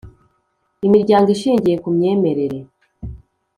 Imiryango ishingiye ku myemerere